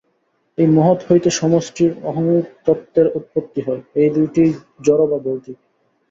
এই মহৎ হইতে সমষ্টি অহংতত্ত্বের উৎপত্তি হয়, এই দুইটিই জড় বা ভৌতিক।